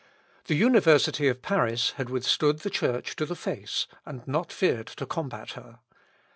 The University of Paris had withstood the Church to the face, and not feared to combat her.